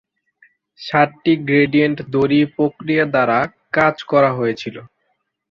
সাতটি গ্রেডিয়েন্ট দড়ি প্রক্রিয়া দ্বারা কাজ করা হয়েছিল।